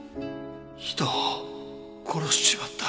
人を殺しちまった。